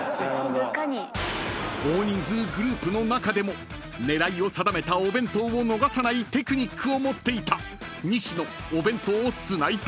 ［大人数グループの中でも狙いを定めたお弁当を逃さないテクニックを持っていた］